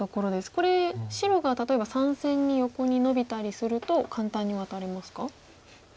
これ白が例えば３線に横にノビたりすると簡単にワタれますか？